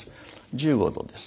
１５度です。